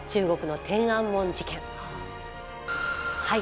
はい。